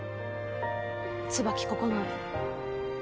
椿九重。